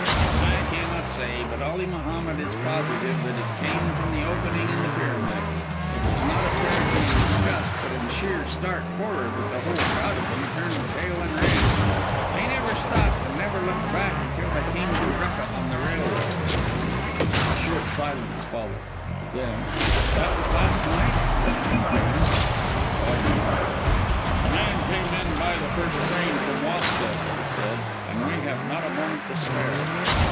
"I cannot say. But Ali Mohammed is positive that it came from the opening in the pyramid. It was not apparently in disgust, but in sheer, stark horror, that the whole crowd of them turned tail and ran. They never stopped and never looked back until they came to Rekka on the railway." A short silence followed. Then: "That was last night?" questioned Cairn. His father nodded. "The man came in by the first train from Wasta," he said, "and we have not a moment to spare!"